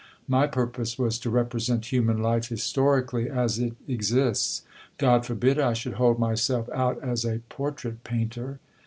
My purpose was to represent human life historically as it exists : God forbid I should hold myself out as a portrait painter.